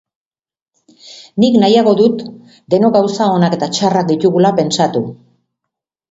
Nik nahiago dut denok gauza onak eta txarrak ditugula pentsatu.